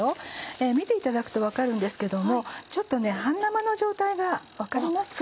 見ていただくと分かるんですけどもちょっと半生の状態が分かりますか？